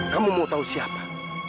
kamu mau tau siapa